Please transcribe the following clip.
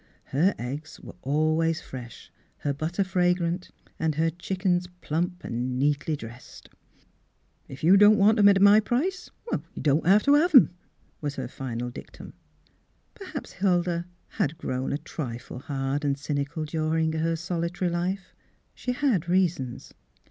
Her eggs were always fresh, her butter fragrant and her chick ens plump and neatly dressed. " If you don't want 'em at my price you don't have t' take 'em," was her final dictum. Perhaps Huldah had grown a trifle hard and cynical during her solitary life ; she had reasons.